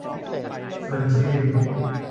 ชวนชื่น